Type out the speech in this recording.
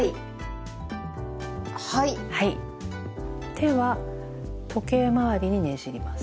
手は時計回りにねじります。